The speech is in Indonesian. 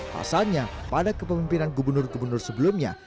pasalnya pada kepemimpinan gubernur gubernur sebelumnya